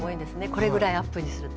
これぐらいアップにすると。